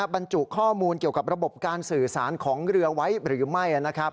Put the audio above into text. บรรจุข้อมูลเกี่ยวกับระบบการสื่อสารของเรือไว้หรือไม่